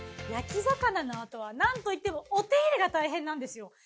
焼き魚のあとはなんといってもお手入れが大変なんですよ。